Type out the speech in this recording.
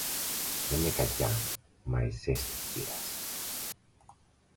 Δεν είναι κακιά, μα η ζέστη την πειράζει